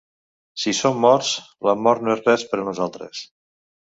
Si som morts, la mort no és res per a nosaltres.